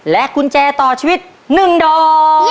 กุญแจต่อชีวิต๑ดอก